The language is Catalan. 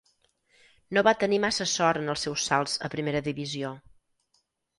No va tenir massa sort en els seus salts a primera divisió.